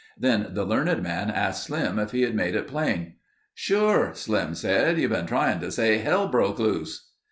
Then the learned man asked Slim if he had made it plain. "Sure," Slim said. "You've been trying to say hell broke loose."